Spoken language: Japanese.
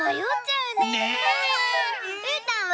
うーたんは？